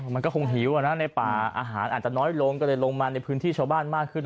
มันก็คงหิวในป่าอาหารอาจจะน้อยลงก็เลยลงมาในพื้นที่ชาวบ้านมากขึ้น